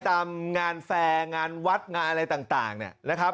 ตามงานแฟร์งานวัดงานอะไรต่างเนี่ยนะครับ